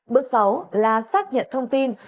bước sáu là xác nhận thông tin